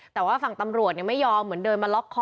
แต่ว่าฝั่งตำรวจไม่ยอมเหมือนเดินมาล็อกคอ